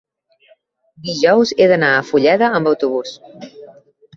dijous he d'anar a Fulleda amb autobús.